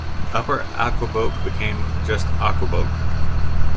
Upper Aquebogue became just Aquebogue.